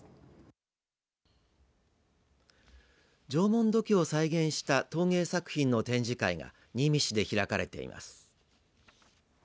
縄文土器を再現した陶芸作品の展示会が新見市で開かれています。